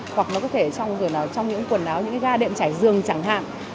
hoặc nó có thể trong những quần áo những ga đệm chảy dương chẳng hạn